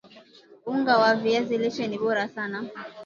unga wa viazi lishe ni bora sana